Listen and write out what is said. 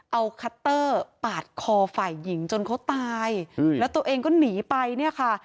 เอาคัตเตอร์ปาดคอฝ่ายหญิงจนเขาตายแล้วตัวเองก็หนีไปเนี่ยค่ะ